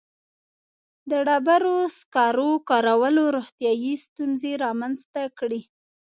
• د ډبرو سکرو کارولو روغتیایي ستونزې رامنځته کړې.